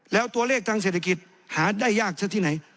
แล้วตัวเลขทางเศรษฐกิจหาได้ยากซะที่ไหน